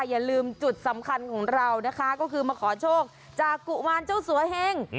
อย่าลืมจุดสำคัญของเรานะคะก็คือมาขอโชคจากกุมารเจ้าสัวเฮง